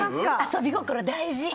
遊び心大事！